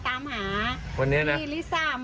กลุ่มนี้ทำไมสวยจังเลยอะไรอย่างนี้